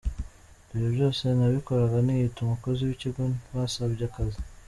Ibyo byose nabikoraga niyita umukozi w’ikigo basabye akazi."